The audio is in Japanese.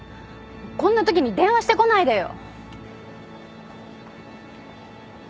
こんなときに電話してこないでよ。